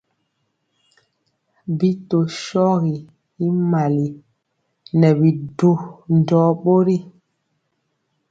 Bi tɔɔ shɔgi y mali, nɛ bidu ndɔɔ bori.